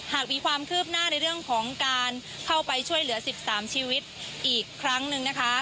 หากมีความคืบหน้าในเรื่องของการเข้าไปช่วยเหลือ๑๓ชีวิตอีกครั้งหนึ่งนะคะ